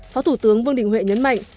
phó thủ tướng vương đình huệ nhấn mạnh